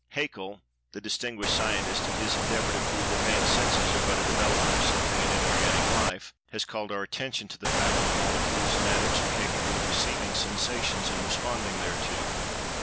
Haeckel, the distinguished scientist, in his endeavor to prove that Man's senses are but a development of something in inorganic life, has called our attention to the fact that Molecules, and Atoms, are capable of "receiving" sensations and "responding" thereto.